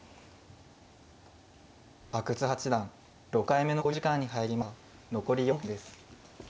阿久津八段３回目の考慮時間に入りました。